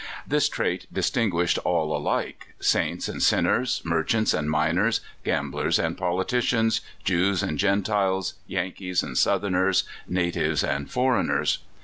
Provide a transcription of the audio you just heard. This trait distinguished all alike — saints and sinners, merchants and miners, gamblers and politicians, Jews and Gentiles, Yan kees and Southerners, natives and foreigners.